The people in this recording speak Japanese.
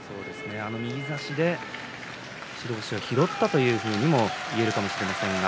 右差して白星を拾ったというふうにも言えるかもしれません。